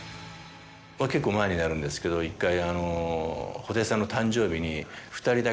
結構前になるんですけど一回。